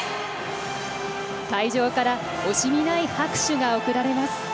会場から惜しみない拍手が送られます。